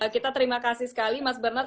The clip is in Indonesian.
kita terima kasih sekali mas bernar